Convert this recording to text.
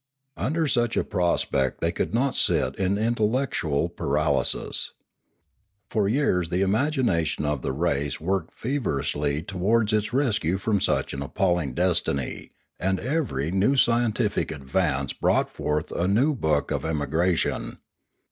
Under such a prospect they could not sit in intellect ual paralysis. For years the imagination of the race Pioneering 469 worked feverishly towards its rescue from such an appalling destiny, and every new scientific advance brought forth a new book of Emigration.